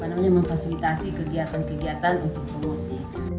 memfasilitasi kegiatan kegiatan untuk promosi